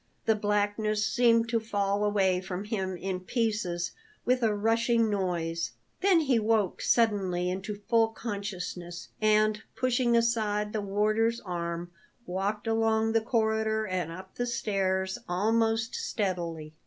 The blackness seemed to fall away from him in pieces with a rushing noise; then he woke suddenly into full consciousness, and, pushing aside the warder's arm, walked along the corridor and up the stairs almost steadily.